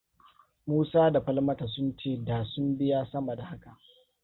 Musa da Falmata sun ce da sun biya sama da haka.